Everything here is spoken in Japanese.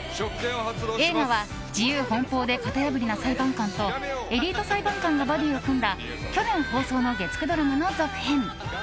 映画は自由奔放で型破りな裁判官とエリート裁判官がバディーを組んだ去年放送の月９ドラマの続編。